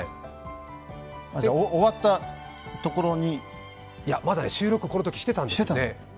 じゃ、終わったところに。いや、まだこのとき収録してたんですね。